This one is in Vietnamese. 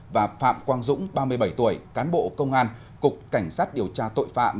và phạm quang dũng ba mươi bảy tuổi cán bộ công an cục cảnh sát điều tra tội phạm